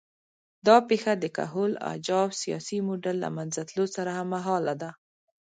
دا پېښه د کهول اجاو سیاسي موډل له منځه تلو سره هممهاله ده